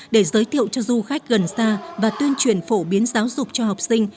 để giới thiệu cho du khách gần xa và tuyên truyền phổ biến giáo dục cho học sinh